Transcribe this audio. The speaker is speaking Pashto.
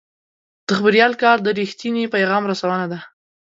د خبریال کار د رښتیني پیغام رسونه ده.